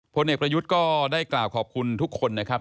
ผลเอกประยุทธ์ก็ได้กล่าวขอบคุณทุกคนนะครับ